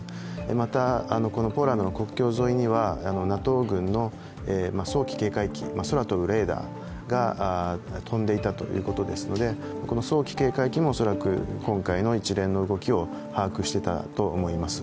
また、このポーランドの国境沿いにはＮＡＴＯ軍の早期警戒、空飛ぶレーダーが飛んでいたということですので、この早期警戒機も今回の一連の動きを把握していたと思います。